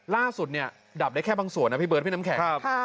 ล่าสุดเนี่ยดับได้แค่บางส่วนนะพี่เบิร์ดพี่น้ำแข็ง